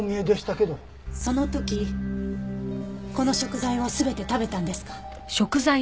その時この食材を全て食べたんですか？